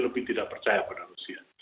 lebih tidak percaya pada rusia